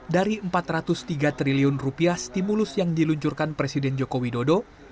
dari rp empat ratus tiga triliun rupiah stimulus yang diluncurkan presiden joko widodo